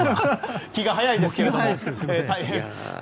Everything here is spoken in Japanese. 気が早いですけど。